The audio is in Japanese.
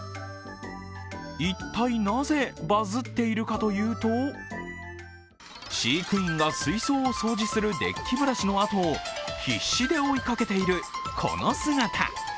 一体なぜ、バズっているかというと飼育員が水槽を掃除するデッキブラシのあとを必死で追いかけているこの姿。